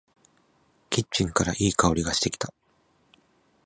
キッチンからいい香りがしてきた。